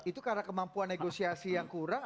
itu karena kemampuan negosiasi yang kurang